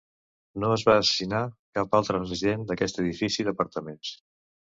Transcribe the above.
No es va assassinar cap altre resident d"aquest edifici d"apartaments.